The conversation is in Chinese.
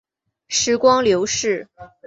时光流逝